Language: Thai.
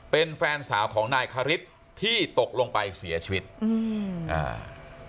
เป็นแฟนสาวของนายคาริสที่ตกลงไปเสียชีวิตอืมอ่า